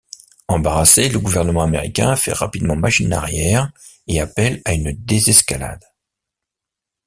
Embarrassé, le gouvernent américain fait rapidement machine arrière et appelle à une désescalade.